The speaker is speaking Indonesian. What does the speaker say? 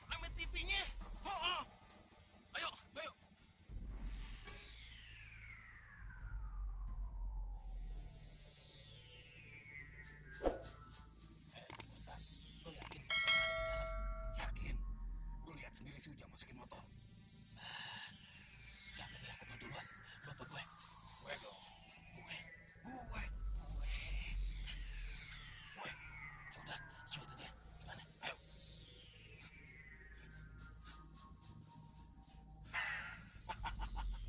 cuman ngerema bimbingnya ini ngerepot tapi hubungan oleh telepon boleh dong tapi berat